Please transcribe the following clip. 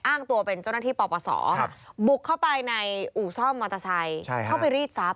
อ้างตัวเป็นเจ้าหน้าที่ปปศบุกเข้าไปในอู่ซ่อมมอเตอร์ไซค์เข้าไปรีดทรัพย